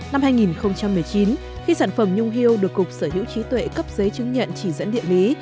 năm hai nghìn một mươi chín khi sản phẩm nhung hiêu được cục sở hữu trí tuệ cấp giấy chứng nhận chỉ dẫn địa lý